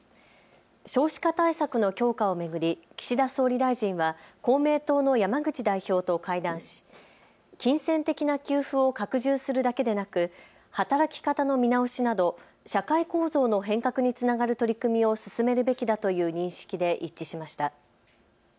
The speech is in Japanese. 少子化対策の強化を巡り岸田総理大臣は公明党の山口代表と会談し、金銭的な給付を拡充するだけでなく働き方の見直しなど社会構造の変革につながる取り組みを進めるべきだという認識で一致しました。